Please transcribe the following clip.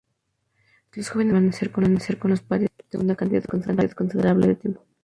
Los jóvenes pueden permanecer con los padres de una cantidad considerable de tiempo.